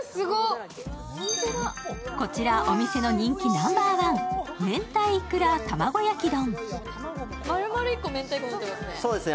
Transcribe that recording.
こちらお店の人気ナンバーワン、明太いくら玉子焼き丼。